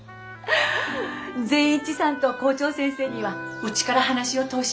善一さんと校長先生にはうちから話を通してある。